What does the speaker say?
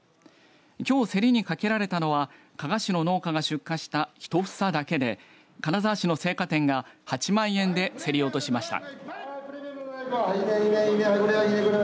きょう競りにかけられたのは加賀市の農家が出荷した１房だけで金沢市の青果店が８万円で競り落としました。